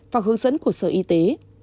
và hướng dẫn của sở y tế